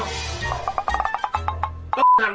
ต้องฟังจมูกช่วงปีนี่ไง